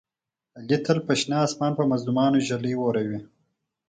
علي تل په شنه اسمان په مظلومانو ږلۍ اوروي.